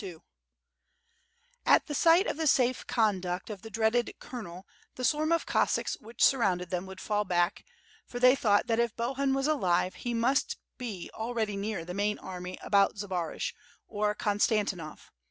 67 1 At the sight of the safe conduct of the dreaded colonel the swarm of Cossacks which surrounded thera would fall back, for they thought that if Bohun was alive, he must be already near the main army about Zbaraj, or Konstantinov.